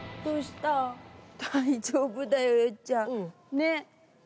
ねっ！